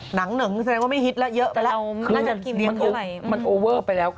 หนังหนึ่งก็แสดงว่าไม่ฮิตแล้วเยอะไปแล้ว